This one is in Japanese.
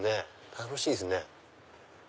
楽しいですね。